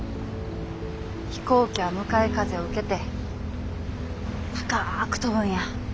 飛行機は向かい風を受けて高く飛ぶんや。